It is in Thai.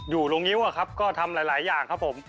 อยู่โรงนิ้วอะครับก็ทำหลายอย่างครับผม